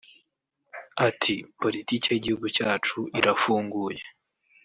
Ati “politike y’igihugu cyacu irafunguye